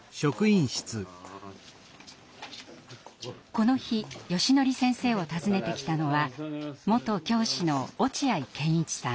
この日よしのり先生を訪ねてきたのは元教師の落合賢一さん。